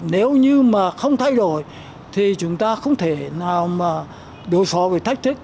nếu như mà không thay đổi thì chúng ta không thể nào mà đối phó với thách thức